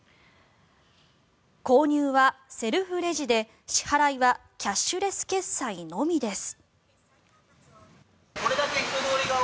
購入はセルフレジで、支払いはキャッシュレス決済のみです。